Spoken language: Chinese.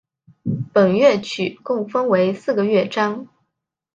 本乐曲共分为四个乐章。